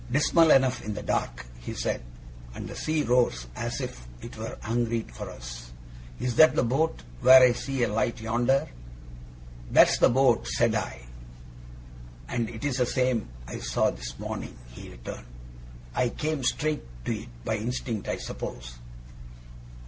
'Dismal enough in the dark,' he said: 'and the sea roars as if it were hungry for us. Is that the boat, where I see a light yonder?' 'That's the boat,' said I. 'And it's the same I saw this morning,' he returned. 'I came straight to it, by instinct, I suppose.